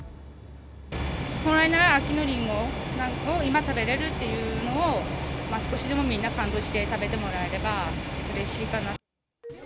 本来なら、秋のリンゴを今、食べられるというのを、少しでもみんな感動して、食べてもらえればうれしいかな。